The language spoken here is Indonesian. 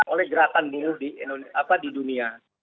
oleh gerakan buruh di dunia